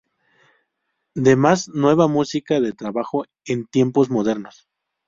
De más nueva música de trabajo es Tiempos Modernos.